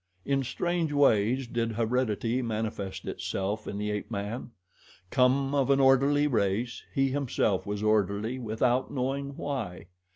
In strange ways did heredity manifest itself in the ape man. Come of an orderly race, he himself was orderly without knowing why.